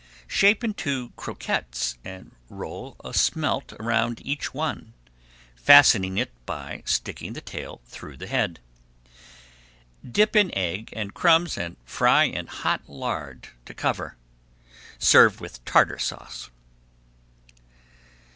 Shape into croquettes and roll a smelt around each one, fastening it by sticking the tail through the head. Dip in egg and crumbs and fry in hot lard to cover. Serve with Tartar Sauce.